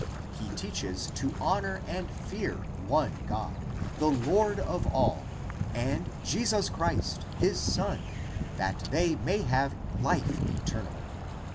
He teaches to honor and fear one God, the Lord of all, and Jesus Christ, his Son, that they may have life eternal.